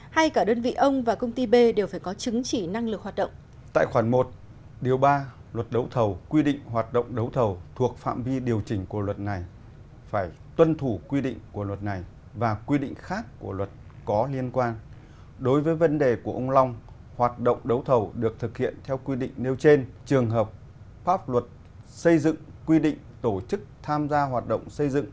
hay cả đơn vị ông và công ty b đều phải có chứng chỉ năng lực hoạt động